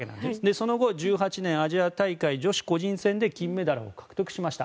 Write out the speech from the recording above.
そのあと、１８年アジア大会女子個人戦で金メダルを獲得しました。